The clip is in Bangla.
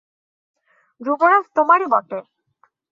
যুবরাজ তোমারই বটে।